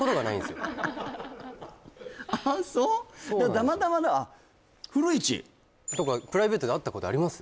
たまたまプライベートで会ったことあります？